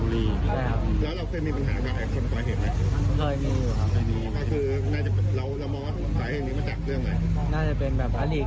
แล้วเรามีปัญหาใครคนเป็นผู้ให้กันไหม